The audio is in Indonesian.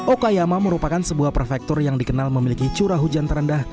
okayama merupakan sebuah prefektur yang dikenal memiliki curah hujan terendah